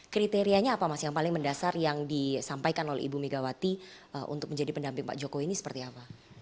kriterianya apa mas yang paling mendasar yang disampaikan oleh ibu megawati untuk menjadi pendamping pak jokowi ini seperti apa